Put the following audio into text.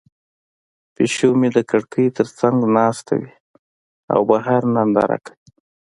پیشو مې د کړکۍ تر څنګ ناسته وي او بهر ننداره کوي.